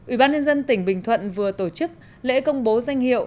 ủy ban nhân dân tỉnh bình thuận vừa tổ chức lễ công bố danh hiệu